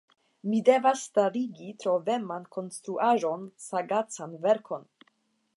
Mi devas starigi troveman konstruaĵon, sagacan verkon.